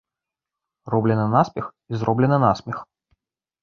Роблена наспех і зроблена насмех